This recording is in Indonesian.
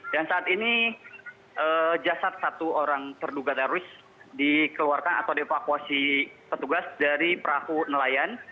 dan saat ini jasad satu orang terduga teroris dikeluarkan atau dievakuasi petugas dari perahu nelayan